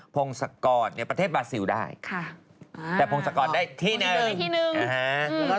พงศกรประเทศบาซิลได้แต่พงศกรได้ที่หนึ่ง